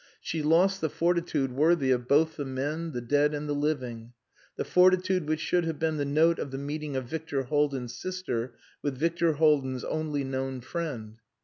She lost the fortitude worthy of both the men, the dead and the living; the fortitude which should have been the note of the meeting of Victor Haldin's sister with Victor Haldin's only known friend.